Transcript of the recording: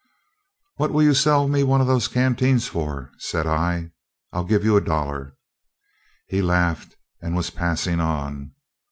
"What will you sell me one of those canteens for?" said I. "I'll give you a dollar." He laughed and was passing on.